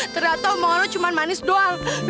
ternyata omongan lu cuma manis doang